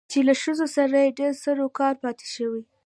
چې له ښځو سره يې ډېر سرو کارو پاتې شوى